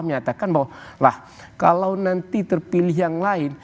menyatakan bahwa lah kalau nanti terpilih yang lain